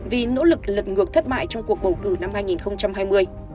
vì nỗ lực lật ngược thất mại trong cuộc bầu cử năm hai nghìn hai mươi